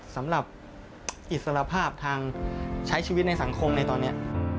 สำหรับอิสระภาพทางใช้ชีวิตในสังคมในตอนนี้